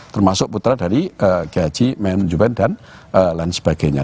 termasuk putra dari kayi haji maimon juber dan lain sebagainya